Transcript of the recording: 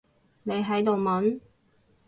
你喺度問？